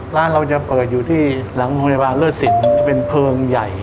ร้านเราจะเปิดอยู่ที่หลังโรงพยาบาลเลิศสิทธิ์เป็นเพลิงใหญ่